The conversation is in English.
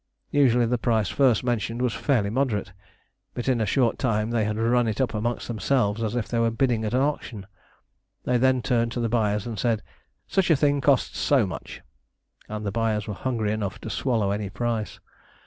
Usually the price first mentioned was fairly moderate, but in a short time they had run it up amongst themselves as if they were bidding at an auction. They then turned to the buyers and said "such a thing costs so much," and the buyers were hungry enough to swallow any price.